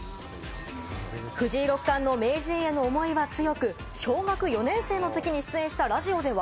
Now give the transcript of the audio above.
藤井六冠の名人への思いは強く、小学４年生の時に出演したラジオでは。